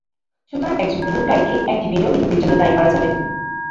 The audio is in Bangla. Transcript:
সুতরাং, একজন বিনিয়োগকারীকে একটি বিনিয়োগে ক্ষতির জন্য দায়ী করা যাবে না।